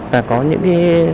và có những